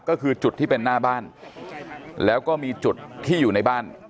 ก็คือจุดที่เป็นหน้าบ้านแล้วก็มีจุดที่อยู่ในบ้าน